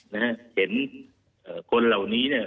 เห็นคนเหล่านี้เนี่ย